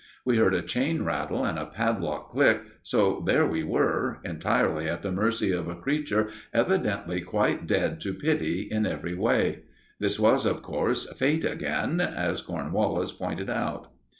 We heard a chain rattle and a padlock click, so there we were, entirely at the mercy of a creature evidently quite dead to pity in every way. This was, of course, Fate again, as Cornwallis pointed out.